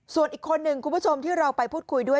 ส่วนอีกคนหนึ่งคุณผู้ชมที่เราไปพูดคุยด้วย